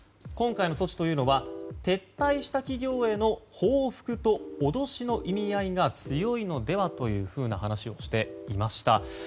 今回の措置というのは撤退した企業への報復と脅しの意味合いが強いのではという話をしていました。